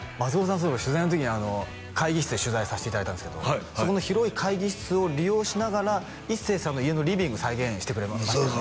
そういえば取材の時に会議室で取材させていただいたんですけどそこの広い会議室を利用しながら一生さんの家のリビング再現してくれましたよね